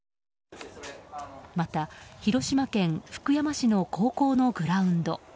また、広島県福山市の高校のグラウンド。